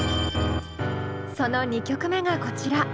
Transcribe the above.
その２曲目がこちら。